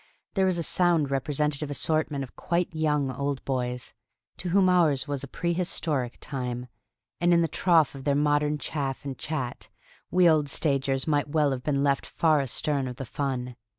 There was a sound representative assortment of quite young Old Boys, to whom ours was a prehistoric time, and in the trough of their modern chaff and chat we old stagers might well have been left far astern of the fun.